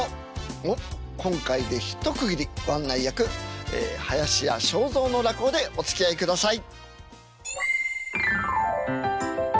おっ今回で一区切りご案内役林家正蔵の落語でおつきあいください。